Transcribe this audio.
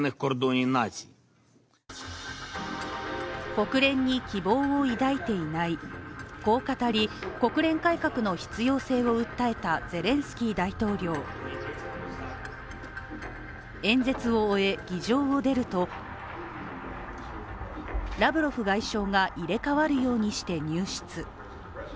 国連に希望を抱いていない、こう語り、国連改革の必要性を訴えたゼレンスキー大統領演説を終え、議場を出るとラブロフ外相が入れ代わるようにして入室。